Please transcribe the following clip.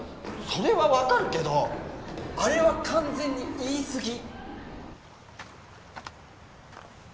それは分かるけどあれは完全に言いすぎ！